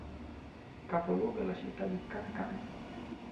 Capoluogo è la città di Kankan.